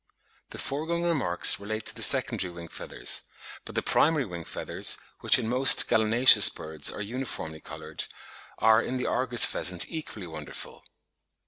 The foregoing remarks relate to the secondary wing feathers, but the primary wing feathers, which in most gallinaceous birds are uniformly coloured, are in the Argus pheasant equally wonderful.